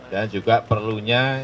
dan juga perlunya